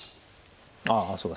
ああそっか。